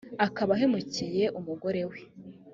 akaba ahemukiye umugore we